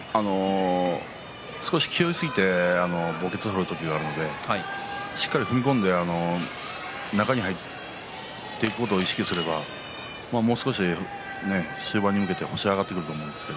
少し気負いすぎて墓穴を掘る時があるのでしっかり踏み込んで中に入ることを意識すればもう少し終盤に向けて星が挙がっていくと思いますが。